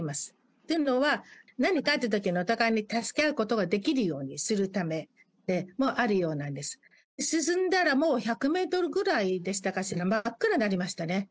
っていうのは、何かあったときにお互いに助け合うことができるようにするためでもあるようなんです。沈んだらもう１００メートルぐらいでしたかしら、真っ暗になりましたね。